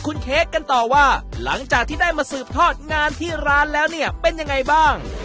คุณเค้กกันต่อว่าหลังจากที่ได้มาสืบทอดงานที่ร้านแล้วเนี่ยเป็นยังไงบ้าง